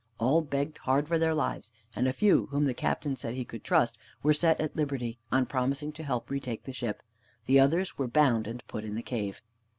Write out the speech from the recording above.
All begged hard for their lives, and a few whom the Captain said he could trust were set at liberty on promising to help retake the ship. The others were bound and put in the cave.